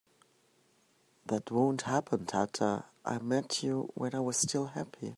That won't happen Tata, I met you when I was still happy!